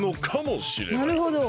なるほど。